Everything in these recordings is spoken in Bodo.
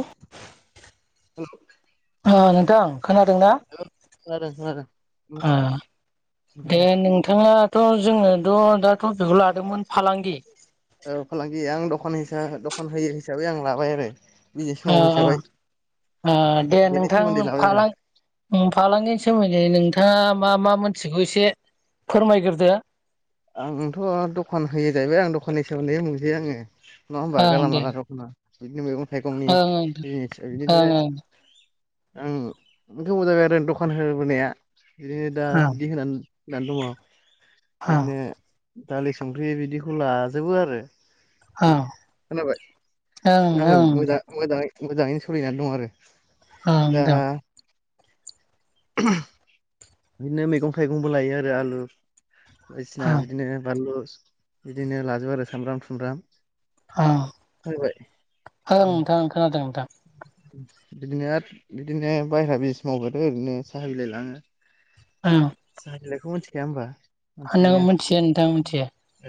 औ [unintelligible] ओ नोंथां खोनादोंना? खोनादों खोनादों ओ दे नोंथाङाथ' जोङोथ' दा थटपिखौ लादोंमोन फालांगि। औ फालांगि आं दखान होसा दखान होयो हिसाबै आं लाबाय आरो बिजनेस ओ मावो ओ हिसाबै ओ दे बेनि सोमोन्दै नोंथां लाबाय आरो फालां-फालांगिनि सोमोन्दै नोंथ थाङा मा मा मोनथिगौ एसे फोरमायग्रोदो आंथ' दखान होयो जाहैबाय आं दखाननि सोमोन्दै बुंसै आङो नङा होमबा ओं दे गालामाला दखना बिदिनो मैगं थाइगंनि ओं जिनिस बिदिनो ओं आं गोबाव जाबाय आरो दखान होबोनाया इदिनो दा ओं बिदि होना नानै दङ ओं बिदिनो दालि संख्रि बिदिखौ लाजोबो आरो ओम ओं खोनाबाय ओं ओं आङो मोजा ओं मोजाङै मोजाङैनो सोलिनानै दं आरो ओं नोंथां दा [unintelligible] बिदिनो मैगं थाइगंबो लायो आरो आलु बायदिसिना ओं बिदिनो बानलु बिदिनो लाजोबो आरो सामब्राम थुमब्राम औ होबाय ओं नोंथां खोनादों नोंथां। बिदिनो आरो बिदिनो बायेरा बिजनेस मावबाथ' ओरैनो साहा बिलाइ लाङो। औ बेखौ मोनथिखाया होमबा नों मिथिखायोना मिथिया नोंथां मिथिया।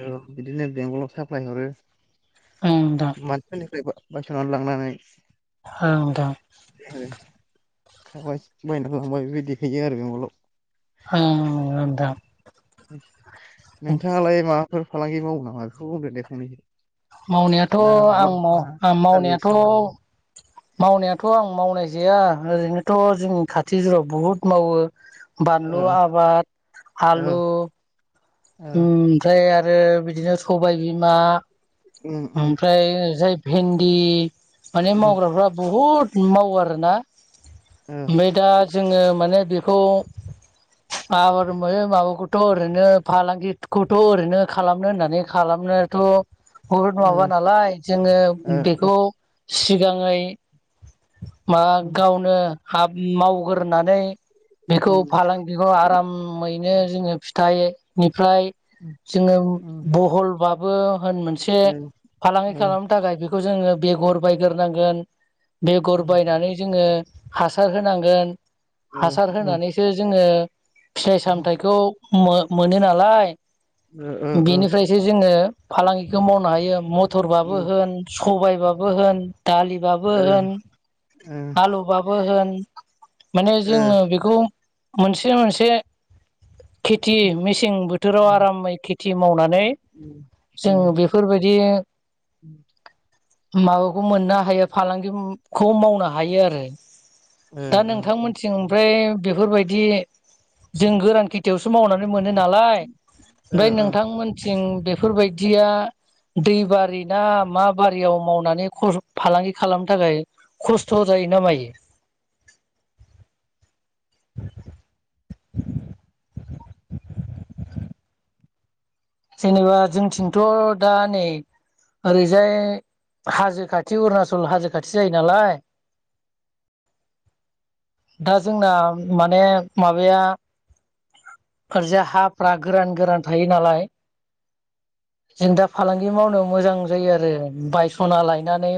औ बिदिनो बेंगलाव साप्लाय हरो ओं नोंथां मानसिनिफ्राय बा-बायस'नानै लांनानै ओं नोंथां [unintelligible] बिबाइदि देखायो आरो। फल'। आ दा नोंथाङालाय माबाफोर फालांगि मावो नामा बेखौ बुंदो‌ दे फंनैसो। मावनायाथ' ना माबा आं माव ना सारभिस मावनायाथ' मावो मावनायाथ' आं मावनाय जाया ओरैनोथ' जोंनि खाथि जुरयाव बुहुद मावो। औ बानलु आबाद औ आलु औ ओमफ्राय आरो बिदिनो सबाय बिमा उम उम ओमफ्राय जाय भिन्दि माने उम मावग्राफ्रा बुहुत मावो आरोना ओ ओमफ्राय दा जोङो माने बेखौ आबाद होनबाथ' माबाखौथ' ओरैनो फालांगिखौथ' ओरैनो खालामनो होननानै खालामो। [unintelligible] बहुद ओ माबा नालाय जोङो ओ बेखौ सिगाङै मा गावनो हाब मावगोरनानै बेखौ फालांगिखौ आरामैनो जोङो फिथाइनि फ्राय जोङो बहलबाबो होन मोन से फालांगि खालामनो थाखाय बेखौ जोङो बेगर बायग्रोनांगोन बेगर बायनानै जोङो हासार होनांगोन हासार होनानैसो जोङो फिथाइ सामथाइखौ मो-मोनो नालाय बेनिफ्रायसो जोङो फालांगिखौ मावनो हायो मथरबाबो होन सबाइबाबो होन दालिबाबो होन आलुबाबो होन माने जोङो बेखौ मोनसे मोनसे खेथि मेसें बोथोराव आरामै खेथि मावना उम जों बेफोरबायदि माबाखौ मोननो हायो फालांगिखौ मावनो हायो आरो। दा नोंथांमोनथिं ओमफ्राय बेफोरबायदि जों गोरान खेथियावसो मावनानै। मोनो नालाय ओमफ्राय नोंथांमोनथिं बेफोरबायदिया दैबारि ना मा बारियाव मावनानै खस फालांगि खालामनो थाखाय खस्थ' जायो। जायो ना मायो [inaudible] [inaudible] जेनेबा जोंथिंथ' दा नै। ओरैजाय हाजो खाथि अरुनाचल हाजो खाथि जायो नालाय। [inaudible] दा जोंना माने माबाया ओरजा हाफ्रा गोरान गोरान थायो नालाय। [inaudible] जों दा फालांगि मावनो मोजां जायो आरो। बायसना लायनानै